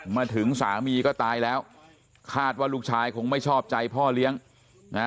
มาถึงสามีก็ตายแล้วคาดว่าลูกชายคงไม่ชอบใจพ่อเลี้ยงนะ